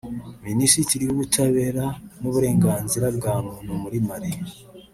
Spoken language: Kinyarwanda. Minisitiri w’Ubutabera n’Uburenganzira bwa muntu muri Mali